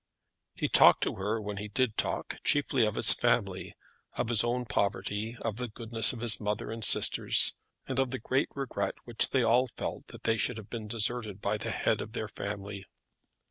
He talked to her, when he did talk, chiefly of his family, of his own poverty, of the goodness of his mother and sisters, and of the great regret which they all felt that they should have been deserted by the head of their family.